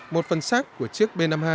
một phần sát của chiếc b năm mươi hai